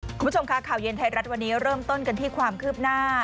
คุณผู้ชมค่ะข่าวเย็นไทยรัฐวันนี้เริ่มต้นกันที่ความคืบหน้า